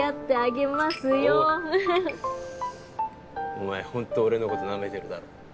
お前ホント俺のことナメてるだろ？